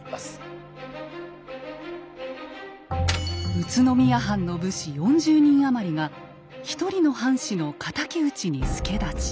宇都宮藩の武士４０人余りが一人の藩士の敵討ちに助太刀。